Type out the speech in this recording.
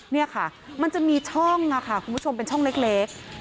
นี่ค่ะมันจะมีช่องค่ะคุณผู้ชมเป็นช่องเล็ก